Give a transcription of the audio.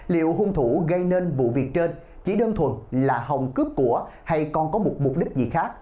liệu hung thủ gây nên vụ việc trên chỉ đơn thuần là hồng cướp của hay còn có một mục đích gì khác